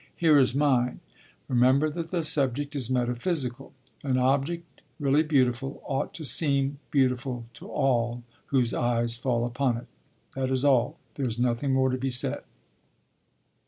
Here is mine. Remember that the subject is metaphysical. An object really beautiful ought to seem beautiful to all whose eyes fall upon it. That is all; there is nothing more to be said.